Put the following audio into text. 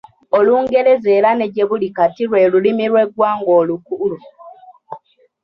Olungereza era ne gyebuli kati lwe lulimi lw’eggwanga olukulu.